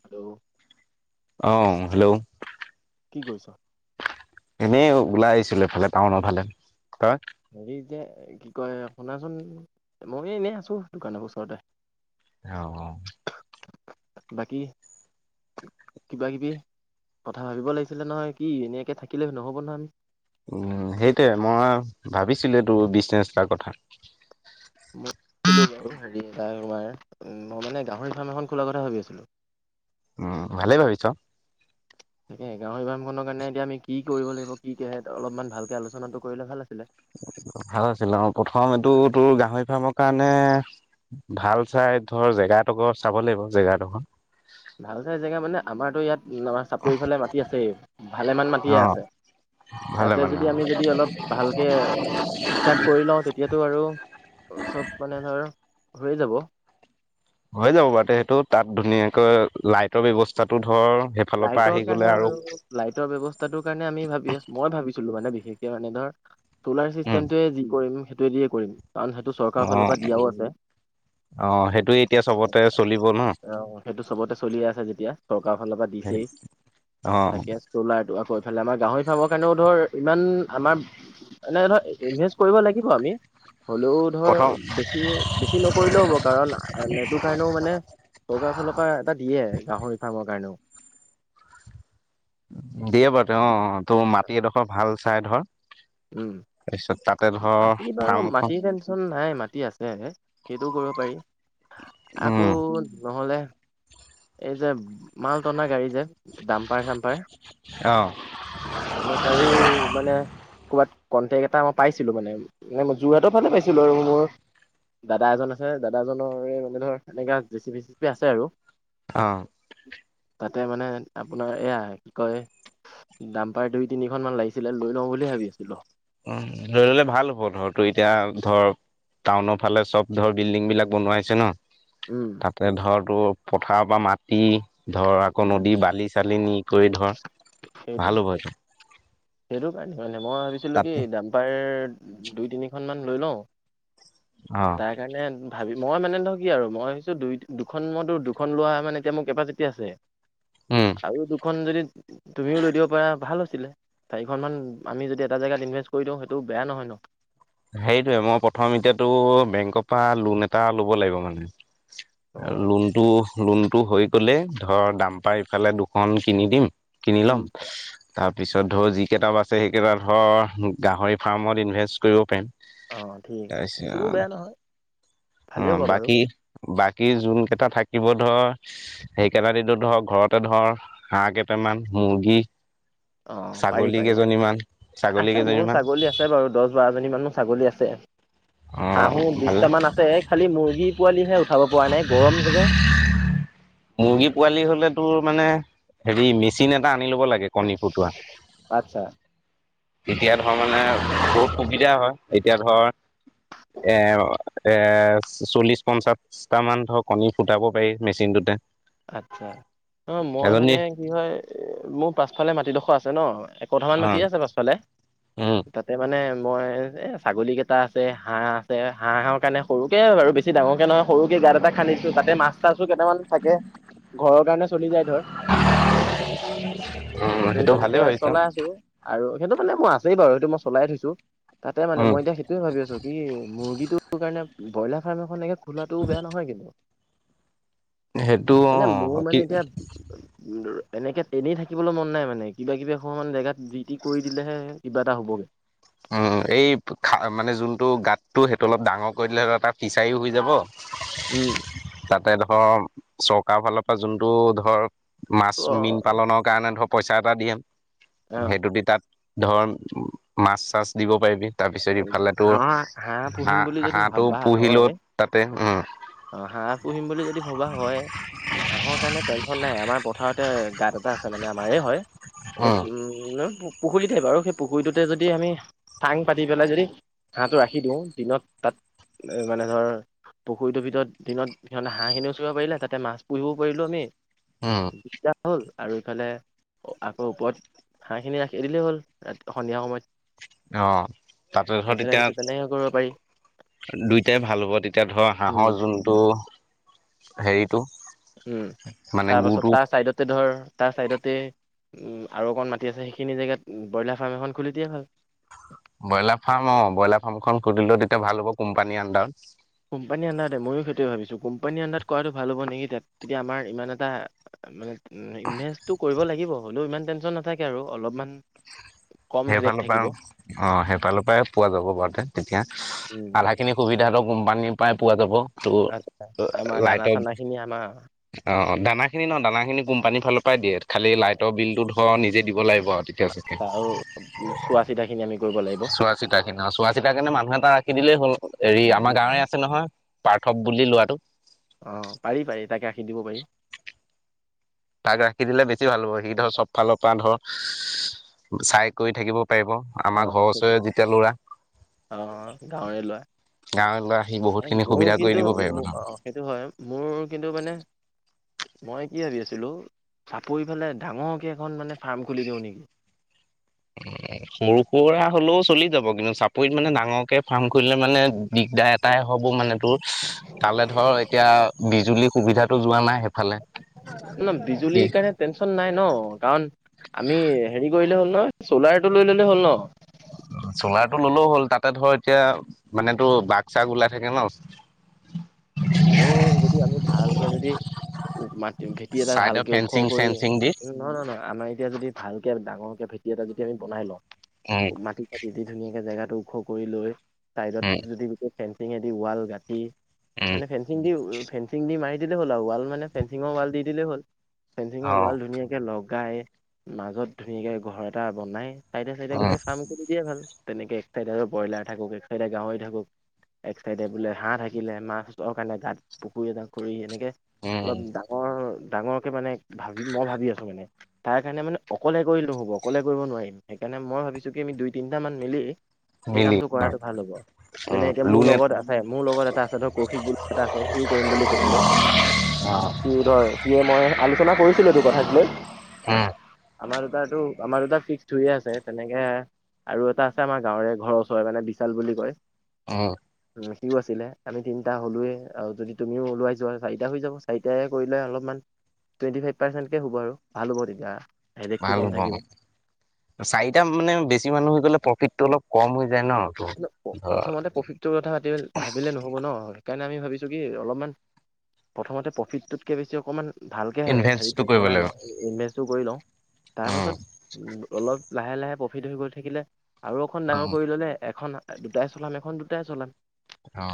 Hello অ hello কি কৈছ? এনেই ওলাই আহিছিলোঁ এফালে টাউনৰ ফালে, তই? হেৰি যে কি কয় শুনাচোন মই এনেই আছো দোকানৰ ওচৰতে। অ অ বাকী কিবা কিবি কথা ভাবিব লাগিছিলে নহয় কি এনেকে থাকিলে নহ'ব নহয় আমি। উম সেইটোৱে মই ভাবিছিলো টো বিছনেছ এটাৰ কথা। তোমাৰ মই মানে গাহৰি ফাৰ্ম এখন খোলাৰ কথা ভাবি আছিলোঁ। উম ভালে ভাবিছ। তাকে গাহৰি ফাৰ্ম খনৰ কাৰণে এতিয়া আমি কি কৰিব লাগিব কি অলপমান ভালকে আলোচনা টো কৰিলে ভাল আছিলে। ভাল আছিল অ প্ৰথম এইটো তোৰ গাহৰি ফাৰ্মৰ কাৰণে ভাল চাই ধৰ জেগা এডোখৰ চাব লাগিব জেগা এডোখৰ। ভাল চাই জেগা মানে আমাৰতো ইয়াত আমাৰ চাপৰি ফালে মাটি আছেই ভালেমান মাটিয়ে অ আছে। ভালে তাতে মানে যদি আমি যদি অলপ ভালকে ঠিক-ঠাক কৰি লওঁ তেতিয়াতো আৰু চব মানে ধৰ হৈয় যাব। হৈ যাব বাৰু তে সেইটো তাত ধুনীয়াকৈ লাইটৰ ব্যৱস্থাটোত লাইটৰ কাৰণে বাৰু লাইটৰ ব্যৱস্থাটোৰ কাৰণে আমি ভাবি আছো মই ভাবিছো। মানে বিশেষকে মানে ধৰ চলাৰ উম চিষ্টেমটোয়ে যি কৰিম সেইটোৱে দিয়ে কৰিম। কাৰণ সেইটো অ চৰকাৰৰ ফালৰ পৰা দিয়াও আছে। অ সেইটোৱে এতিয়া চবতে চলিব ন আহ সেইটো চবতে চলিয়ে আছে যেতিয়া চৰকাৰ ফালৰ পৰা অ তাকে চলাৰটো আকৌ ইফালে আমাৰ গাহৰি ফাৰ্মৰ কাৰণেও ধৰ ইমান আমাৰ এনে ধৰ ইনভেষ্ট কৰিব লাগিব আমি। হ'লেও ধৰ প্ৰথম বেছি বেছি নকৰিলেও হ'ব কাৰণ সেইটো কাৰণেও মানে চৰকাৰৰ ফালৰ পৰা এটা দিয়ে গাহৰি ফাৰ্মৰ কাৰণেও। দিয়ে বাৰু দে অ তোৰ মাটি এডোখৰ ভাল চাই ধৰ উঁম তাৰপিছত তাতে ধৰ মাটি বাৰু ফাৰ্মখন মাটিৰ টেনচন নাই মাটি আছে। সেইটো কৰিব পাৰি, আকৌ উম নহলে এই যে মাল টনা গাড়ী যে ডাম্পাৰ চাম্পাৰ অ' তেনেকে আৰু মানে ক'বাত কণ্টেক এটা মই পাইছিলো মানে মই যোৰহাটৰ ফালে পাইছিলো আৰু মোৰ দাদা এজন আছে দাদা এজনৰে মানে ধৰ এনেকা জে চিপি চে চিপি আছে আৰু। অঁ। তাতে মানে আপোনাৰ এয়া কি কয় ডাম্পাৰ দুই তিনিখন মান লাগিছিলে লৈ লওঁ বুলিয়ে ভাবি আছিলোঁ। অঁ লৈ ললে ভাল হ'ব ধৰ তোৰ এতিয়া ওচৰৰ টাউনৰ ফালে চব ধৰ বিল্ডিং বিলাক বনোৱাইছে ন। উম তাতে ধৰ তোৰ পথাৰৰ পৰা মাটি ধৰ আকৌ নদী বালি চালি নি কৰি ধৰ সেইটো ভাল হ'ব এইটো সেইটো কাৰণেই মানে মই ভাবিছিলোঁ কি তাতে দাম্পাৰ দুই তিনিখনমান লৈ লওঁ। অ' তাৰ কাৰণে ভাবি, মই মানে নৰক কি আৰু মই ভাবছো দুই দুখন মতো দুখন লোৱা মানে এতিয়া মোৰ কেপাচিটি আছে। উম আৰু দুখন যদি, তুমিও লৈ দিব পাৰা ভাল হৈছিলে, চাৰিখনমান আমি যদি এটা জেগাত ইনভেষ্ট কৰি দিওঁ সেইটোও বেয়া নহয় ন। সেইটোয়ে মই প্ৰথম এতিয়াতো বেংকৰ পৰা লোন এটা ল'ব লাগিব মানে,। আৰু অ'। লোনটো লোনটো হৈ গ'লেই ধৰ দাম পাৰ ইফালে দুখন কিনি দিম,। কিনি লম, উম। তাৰপিছত ধৰ যিকেইটা বাছে সেইকেইটা ধৰ গাহৰি ফাৰ্মত ইনভেষ্ট কৰিব পাৰিম। অ' ঠিক আছা সেইটোও বেয়া নহয় অ ভালেই হ'ব বাৰু বাকি বী যোন কেইটা থাকিব ধৰ সেইকেইটা দো ধৰ ঘৰতে ধৰ হাঁহ কেইটামান [unintelligible] অ পাৰি ছাগলী পাৰি কেইজনীমান ছাগলী আছে মোৰো কেইজনীমান ছাগলী আছে বাৰু দহ বাৰজনী মানো ছাগলী আছে। অ হাঁহো ভাল বিশটামান আছে, এ খালি মুৰ্গী পোৱালিহে উঠাব। পৰা নাই গৰম যে [unintelligible] মুৰ্গী পোৱালি হলেতো মানে হেৰি মেচিন এটা আনি ল'ব লাগে কণী ফুটোৱা। আচ্ছা। এতিয়া ধৰ মানে বহুত সুবিধা হয়, এতিয়া ধৰ এৰ এ চল্লিশ পঞ্চাশটা মান ধৰক কণী ফুটাব পাৰি মেচিনটোতে,। আচ্ছা অ মই এজনী মানে কি হয় মোৰ পাছফালে মাটিডোখৰ আছে ন কথামান অ মাতি আছে পাছফালে উম, তাতে মানে মই এ ছাগলী কেইটা আছে হাঁহ আছে হাঁহ হাঁৰ কাৰণে সৰুকে বাৰু বেছি ডাঙৰকে নহয় সৰুকেই গাত এটা খান্দি তাতে মাছ টাছো কেইটামান থাকে ঘৰৰ কাৰণে চলি যায় ধৰ। উম, সেইটো ভালেই তেনেকে ভাবিছা। চলাই আছো আৰু সেইটো মানে মোৰ আছেই বাৰু সেইটো মই চলাই থৈছো। তাতে মানে উম, মই এতিয়া সেইটোৱে ভাবি আছো কি মুৰ্গীটো কাৰণে ব্ৰইলাৰ ফাৰ্ম এখনে খোলাটো বেয়া নহয় কিন্তু। সেইটো মানে মোৰ অ', কি মানে এতিয়া তেনেকে তেনেই থাকিবলৈ মন নাই মানে কিবা কিবি হোৱা মানে জেগাত জি টি কৰি দিলেহে কিবা এটা হ'বগৈ। উম এই খা মানে যোনটো গাততটো সেইটো অলপ ডাঙৰ কৰি দিলে হ এটা ফিচাৰীও হৈ যাব। উম্। তাতে ধৰ চৰকাৰৰ ফালৰ পৰা যোনটো ধৰ মাছ অ মীন পালনৰ কাৰণে ধৰক পইচা এটা দে অ সেইটো দি তাত ধ মাছ চাছ দিব। পাৰিবি তাৰ পিছত ইফালো হাঁহ পুহিম হাঁহ বুলি যদি হাঁহটো ভাবা পুহিল হয় তাতে উম। অ হাঁহ পুহিম বুলি যদি ভবা হয় হাঁহৰ কাৰণে টেনচন নাই আমাৰ পথাৰত তে গাত এটা আছে মানে আমাৰ হয় এই উম। পুখুৰীতে বাৰু সেই পুখুৰীটোতে যদি আমি চাং। পাতি পেলাই যদি হাঁহটো ৰাখি দিওঁ দিনত তাত মানে ধৰ পুুৰীটো ভিতৰত দিনত সমানে হাঁহখিনিও চৰিব পাৰিলে তাত মাছ পুহিবও পাৰিলো আমি। উম, যাহ'ল আৰু ইফালে আকৌ ওপৰত হাঁহখিনি ৰাখি দিলেই হ'ল ৰা সন্ধিয়া সময়ত। অ তাতে ধৰত সেইফালে সেইটো তেনেকে কৰিব পাৰি এতিয়া দুইটাই ভাল হ'ব তেতিয়া ধৰ উম হাঁহৰ যোনটো হেৰিটো। উম মানে তাৰপাছত গুটো তাৰ চাইডতে ধৰ তাৰ ছাইডতে আৰু অকণ মাটি আছে সেইখিনি জেগাত ব্ৰইলাৰ ফাৰ্ম এখন খুলি দিয়ে ভাল। ব্ৰইলাৰ ফাৰ্ম অ ব্ৰইলাৰ ফাৰ্মখন খুধিলেও তেতিয়া ভাল হ'ব কোম্পানীৰ আডাৰডত। কোম্পানী আণ্ডাৰতে ময়ো সেইটোৱে ভাবিছোঁ কোম্পানী আণ্ডাৰত কৰাটো ভাল হ'ব নেকি তাত তেতিয়া আমাৰ ইমান এটা মানে উ ইনভেচটো কৰিব লাগিব হ'লেও ইমান টেনচন নাথাকে আৰু অলপমান। কম হেডেক সেইফালৰ থাকিব পৰা অ সেইফালৰ পৰাই পোৱা যাব বাৰুতে তেতিয়া আধা উম খিনি সুবিধাটো কোম্পানীৰ পৰাই পোৱা যাব আচ্ছা আমাৰ ত' দানা লাইটৰ, চানা খিনি আমাৰ অ দানা খিনি ন দানা খিনি কোম্পানীৰ ফালৰ পৰাই দিয়ে খালি লাইটৰ বিলতো ধৰ নিজে দিব লাগিব আৰু তেতিয়া চাগে, উ চোৱা চিতা খিনি আমি কৰিব চোৱা চিতাখিনি চোৱা চিতা কাৰনে মানুহে এটা ৰাখি দিলেই হ'ল এৰি আমাৰ লাগিব গাঁৱে আছে নহয় পাৰ্থৱ বুলি লোৱাটো অ পাৰি পাৰি তাকে আখীৰ দিব পাৰি। তাক ৰাখি দিলে বেছি ভাল হব সি ধৰ চব ফালৰ পৰা ধৰ চাই কৰি থাকিব। পাৰিব আমাৰ অ', ঘৰৰ সেইটো ওচৰৰে যেতিয়া ল'ৰা অ গাঁৱৰে গাঁৱলৈ আহি লোৱা। বহুতখিনি মোৰ সুবিধা কৰি কিন্তু দিব পাৰিব ন। অ সেইটো হয় মোৰ কিন্তু মানে মই কি ভাবি আছিলো চাপৰি ফালে ডাঙৰকে এখন মানে ফাৰ্ম খুলি দিওঁ নেকি উ সৰু সুৰা হলেও চলি যাব কিন্তু চাপৰিত মানে ডাঙৰকে ফাৰ্ম খুলিলে মানে দিগদাৰ দাই হব মানে তোৰ তালৈ ধৰ এতিয়া বিজুলী সুবিধাতটো যোৱা নাই নে ন বিজুলীৰ কাৰণে টেনচন নাই ন কাৰণ আমি হেৰি কৰিলে হ'ল নহয়। চ'লাৰ টো লৈ ললে হ'ল ন চলাৰটো ললেও হ'ল তাতে ধৰ এতিয়া মান তটো বাঘ চাগ ওলাই থাকে ন অ হ'লেও যদি আমি ভালকে যদি উ মাটি ভেটি এটা চাইডৰ ভালকে ওখ ফেঞ্চিং কৰি চেঞ্চিং দি নহ নহ নহয় আমাৰ এতিয়া যদি ভাল কে ডাঙৰকে ভেটি এটা যদি আমি বনাই লওঁ উম মাটি চ দিদি ধুনীয়াকে জেগাটো ওখ কৰি লৈ চাইডত উম যদি গ ফেঞ্চি দি ৱাল গাঁঠি উম মানে ফেঞ্চিং দি ফেঞ্চিং দি মাৰি দিলেই হ'ল ৱাল মানে ফেঞ্চিঙৰ ৱাল দি দিলেই হ'ল। ফেঞ্চিঙৰ অ ৱাল ধুনীয়াকে লগাই মাজত ধুনীয়াকে ঘৰ এটা বনাই চাইডে চাইডে উম গোটেই ফ্ৰাম খুলি দিয়াই ভাল। তেনেকে এক চাইডে ব্ৰইলাৰ থাকক এক চাইডে গাহৰি থাকক এক চাইদে বোলে হাঁহ থাকিলে মাছ কাৰণে গাঁত পুখুৰী এটা কৰি এনেকৈ উম অলপ ডাঙৰ ডাঙৰকৈ মানে ভাবি মই ভাবি আছো মানে তাৰ কাৰণে মানে অকলে কৰিল হ'ব অকলে কৰিব নোৱাৰিম সেইকাৰণে মই ভাবিছো কি আমি দুই তিনিটা মান মিলি সেই মিলি কামটো কৰাটো ভাল হ'ব যেনে উম এতিয়া মোৰ লোনেট লগত আছে মোৰ লগত এটা আছে ধৰ কৌশিক বুলি এটা আছে সিও কৰিম বুলি কৈছিলে অ টোৰ ধৰ সিয়ে মই আলোচনা কৰিছিলো এইটো কথাক লৈ উম আমাৰ দুটা টো আমাৰ দুটা ফিক্সড হৈয়ে আছে তেনেকে আৰু এটা আছে আমাৰ গাঁৱৰে ঘৰৰ ওচৰে মানে বিশাল বুলি কয় আহ হিও আছিলে আমি তিনিটা হ'লোয়ে আৰু যদি তুমিও উলুৱাই যোৱা চাৰিটা হৈ যাব চাৰিট কৰিলে অলপমান টুৱেণ্টি ফাইভ পাৰ্চেণ্টকে হ'ব আৰু ভাল হ'ব তেতিয়া হেডেকটো ভাল কম হ'ব থাকিব অ চাৰিটা মানে বেছি মানুহ হৈ গলে প্ৰফিটটো অলপ কম হৈ যায় ন তোৰ। ধৰ প্ৰথমতে প্ৰফিটটোৰ কথা পাতি ভাবিলে নহব ন সেইকাৰণে আমি ভাবিছোঁ কি অলপমান প্ৰথমতে প্ৰফিটটোতকৈ বেছি অকণমান ভালকৈ হেৰিটো ইনভেষ্টটো কৰিব বনাই লাগিব লওঁ ইনভেষ্টটো কৰি লওঁ উম তাৰপাছত অলপ লাহে লাহে প্ৰফিট হৈৰি গৈ থাকিলে আৰু অখন ডাঙৰ উম কৰি ল'লে এখন দুটাই চলাম এখন দুটাই চলাম অ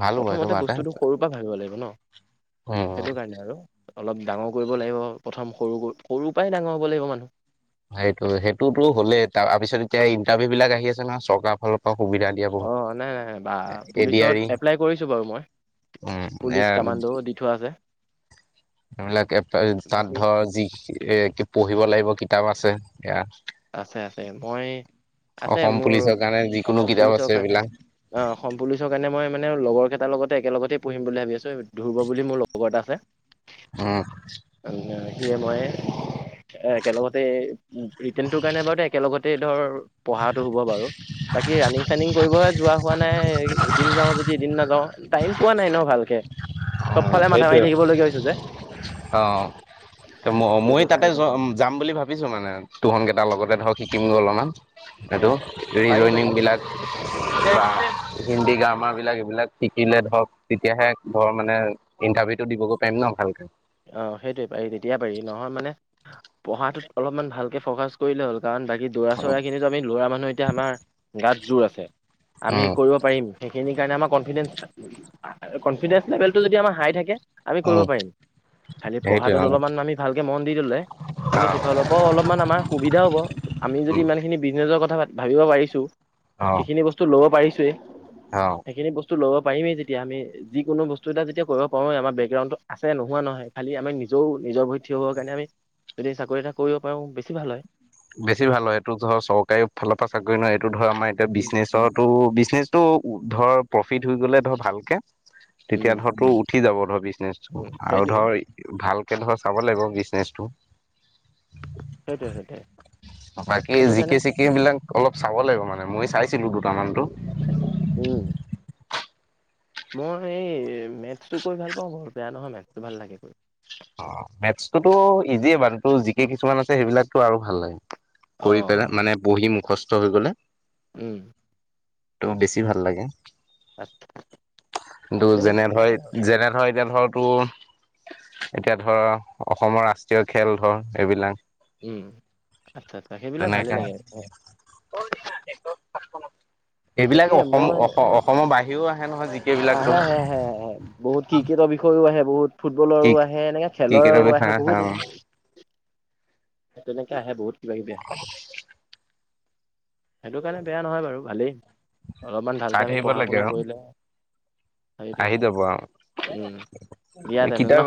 ভাল হ'ব সেইটো প্ৰথমতে বাৰতে বস্তুটো সৰুৰ পৰা ভাঙিব লাগিব ন উম সেইটো কাৰণে আৰু অলপ ডাঙৰ কৰিব লাগিব প্ৰথম সৰু সৰুৰ পৰাই ডাঙৰ হ'ব লাগিব মানুহ সেইটো সেইটোতো হ'লেই তাৰপিছত এতিয়া ইণ্টাৰভিউ বিলাক আহি আছে ন চৰকাৰৰ ফালৰ পৰা সুবিধা দিয়া অ বহুত নাই নাই বা এ ডি পুলিচত আৰ ই এপ্লাই কৰিছো বাৰু মই। উম এ পুলিচ কামাণ্ডোও দি থোৱা আছে। এইবিলাক এপ এই তাত বাকী ধৰ যি এ পঢ়িব লাগিব কিতাপ আছে এয়া। আছে আছে। মই আছে অসম মোৰ পুলিচৰ কাৰণে যিকোনো অসম কিতাপ পুলিচৰ আছে কাৰণে। এইবিলাক অ অসম পুলিচৰ কাৰণে মই মানে লগৰ কেইটাৰ লগতে একেলগতে পঢ়িম বুলি ভাবি আছো ধুৰ্ব বুলি মোৰ লগৰ এটা আছে। উম। সিয়ে মই এ একেলগতে ৰিটেনটো ৰ কাৰণে বাৰু তাই একেলগতে ধৰ। পঢ়াটো হ'ব বাৰু বাকী ৰানিং। চানিং কৰিবই যোৱা হোৱা নাই এদিন যাওঁ যদি এদিন নাযাওঁ টাইম পোৱা নাই ন ভালকে। চবফালে মাথা সেইটোৱে মাৰি থাকিবলগীয়া হৈছে যে। অ ম মই সেইটো তাতে কাৰণে যাম বুলি ভাবিছো মানে। তুহনগেটাৰ লগতে ধৰক শিকিমগৈ অলমান। অ সেটো পাৰি ৰিজইনিং পাৰি বিলাক বা অ হিন্দী গ্ৰামাৰ বিলাক এইবিলাক শিকিলে ধৰক তেতিয়াহে ঘৰ মানে ইণ্টাৰভিউ টো দিবগৈ পাৰিম ন ভালকে। অ সেইটোয়ে পাৰি তেতিয়া পাৰি নহয় মানে পঢ়াটোত অলপমান ভালকে ফকাচ কৰিলে হ'ল। কাৰণ বাকী দৌৰা উম চৌৰাখিনিতো আমি ল'ৰা মানুহ এতিয়া আমাৰ গাত জোৰ আছে। আমি উম কৰিব পাৰিম সেইখিনি। সেইকাৰণে আমাৰ কনফিডেঞ্চ কনফিডেঞ্চ লেভেলটো যদি আমাৰ হাই থাকে আমি উম কৰিব পাৰিম। খালি সেইটোৱে পঢ়াটোত অ অলমান আমি ভালকে মন দি দলে অ আমি সেইফাল পাওঁ অলপমান আমাৰ সুবিধা হব আমি যদি উম ইমান খিনি বিজনে জৰ কথা ভাবিব পাৰিছো অ সিখিনি বস্তু লব পাৰিছোৱেই। অ সেইখিনি বস্তু লব পাৰিমেই যেতিয়া আমি যিকোনো বস্তু এটা যেতিয়া কৰিব পাঁৰোৱে আমা বেকগ্ৰাণ্ডত আছে ন। নোহোৱা নহয় খালি আমি নিজও নিজৰ ভৰিত থিয় হবৰ কাৰণে আমি যদি চাকৰি এটা কৰিব পাৰোঁ বেছি ভাল হয়। বেছি ভাল হয়। এইটো ধৰ চৰকাৰী ফালৰ পৰা চাকৰি নহয় এইটো ধৰ আমাৰ এতিয়া বিজনেছটো বিজ বিজনেছ টো ধৰ প্ৰফিট হৈ গলে ধৰ ভালকে তেতিয়া উম ধৰ তো উঠি যাব ধৰ বিজ নেজ উম আৰু সেইটোৱে ধৰ ভালকে ধৰ চাব লাগিব বিজনেচটো। সেইটোৱে হয়। বাকী জিকে চিকে বিলাক অলপ চাব লাগিব মানে মই চাইছিলো। তমানটো। উম! মই সেই মেথছটো কৈ ভাল পাওঁ বৰ বেয়া নহয় মেথছটো ভাল লাগে কৰি। অ মেথছতোটো ইজিয়ে বাৰু জিকে কিছুমান আছে সেইবিলাকতো আৰু ভাল লাগে। কৰি পেলাই অ', মানে বহি মুখস্থ হৈ গলে। উম! টো বেছি ভাল লাগে। তাত কিন্তু তেনেকা যেনে ভাল হয়। ধৰেত যেনে ধৰেত। এতিয়া ধৰ তো এতিয়া ধৰ অসমৰ ৰাষ্ট্ৰীয় খেল ধৰ এইবিলাক। উম আচ্ছা আচ্ছা সেইবিলাক ভালে তেনেকে লাগে। এইবিলাক তাকে অসম মই অসমৰ বাহিৰেও আহে নহয় জি। আহে আহে আহে বহুত টিকেতৰ বিষয়েও আহে বহুত। কি ফুটবলৰো আহে এনেকে ক্ৰিকেটৰ খেলৰো আহে বিষয়ে অ বহুত। তেনেকে আহে বহুত কিবা কিবি আহে। সেইটো কাৰণে বেয়া নহয় বাৰু ভালেই অলপমান চাই ভালকে আমি থাকিব পঢ়া লাগে শুনা আৰু কৰিলে সেইটোৱে আহি জাব আও। উম, দিয়া তেনে ন কিতাপ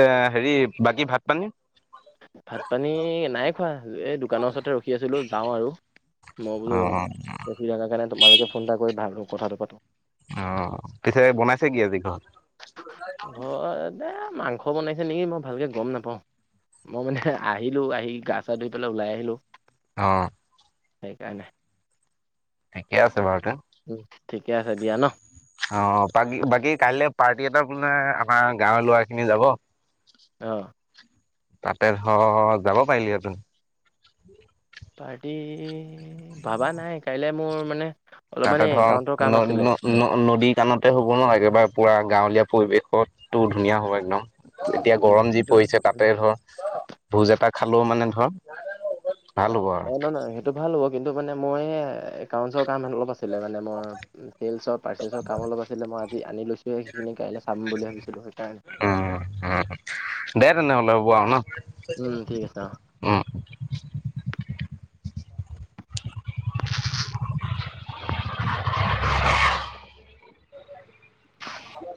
এ হেৰি বাকী ভাত পানী। ভাত পানী নাই খোৱা এ দোকানৰ ওচৰতে ৰখি আছিলো যাওঁ আৰু মই অ বোলো অ ৰখি থাকা কাৰণে তোমালকে ফোন এটা কৰি ভালকৈ কথাটো পাতো। অ পিছে বনাইছে কি আজি ঘৰত? ঘৰতে মাংস বনাইছে নেকি? মই ভালকে গম নাপাওঁ। মই মানে আহিলো আহি গা চা ধুই পেলাই ওলাই আহিলো। অ। সেইকাৰণে ঠিকে আছে বাৰু তে উম, ঠিকে আছে দিয়া ন অ বাকী বাকী কাইলৈ পাৰ্টি এটা বোলে আমাৰ গাঁৱৰ লৰা খিনি যাব আহ তাতে ধ যাব পাৰিলি ত পাৰ্টি ভাবা নাই কাইলে মোৰ মানে অলপ তাতে মানে ধৰক একাউণ্টৰ কাম আছিলে। ন নদীত [unintelligible] হ'ব একেবাৰে পুৰা গাঁৱলীয়া পৰিৱেশতো ধুনীয়া হ'ব একদম এতিয়া উম, উম, গৰম যি সেইটো পৰিছে তাতে ধৰ ভোজ এটা খালোও মানে ধৰ ভাল হ'ব আৰু অ নহয় নহয় সেইটো ভাল হ'ব কিন্তু মানে মই একাউন্টছৰ কাম অলপ আছে ছিল মানে মৰ পাৰ্চছৰ কাম অলপ আছিলে মই আজি আনি লৈছো সেইখিনি কাই চাম বুলি ভাবি [unintelligible] উম উম দে তেনেহ'লে হ'ব আৰু ন উম ঠিক আছে অ উম